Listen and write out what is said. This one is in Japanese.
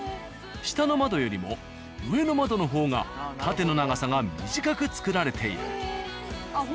下の窓よりも上の窓の方が縦の長さが短く作られている。